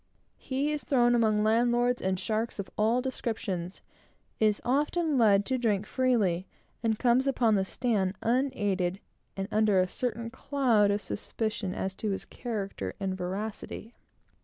He is thrown among landlords, and sharks of all descriptions; is often led to drink freely; and comes upon the stand unaided, and under a certain cloud of suspicion as to his character and veracity.